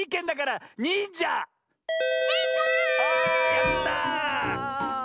やった！